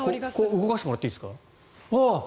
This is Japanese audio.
動かしてもらっていいですか？